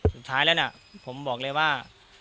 สุดท้ายแล้วนะผมบอกเลยว่า